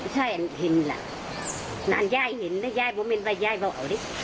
ใช้อันเห็นแหละงานยายเห็นยายบอเมนต์ไปยายบอเอาที่